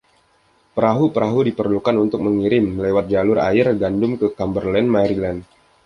Perahu-perahu diperlukan untuk mengirim, lewat jalur air, gandum ke Cumberland, Maryland.